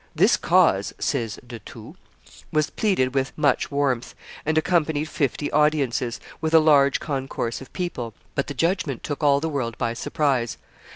"This cause," says De Thou, "was pleaded with much warmth, and occupied fifty audiences, with a large concourse of people, but the judgment took all the world by surprise.